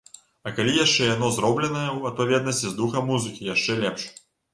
А калі яшчэ яно зробленае ў адпаведнасці з духам музыкі, яшчэ лепш.